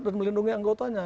dan melindungi anggotanya